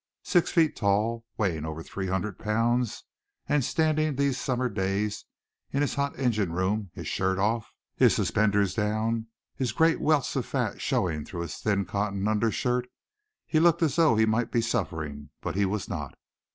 Six feet tall, weighing over three hundred pounds and standing these summer days in his hot engine room, his shirt off, his suspenders down, his great welts of fat showing through his thin cotton undershirt, he looked as though he might be suffering, but he was not.